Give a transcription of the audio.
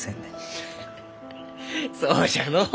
フフそうじゃのう！